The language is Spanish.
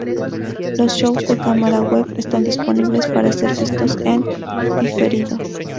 Los show de cámara web están disponibles para ser vistos en diferido.